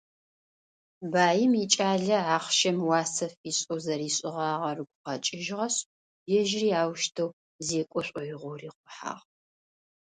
Баим икӏалэ ахъщэм уасэ фишӏэу зэришӏыгъагъэр ыгу къэкӏыжьыгъэшъ, ежьыри аущтэу зекӏо шӏоигъоу рихъухьагъ.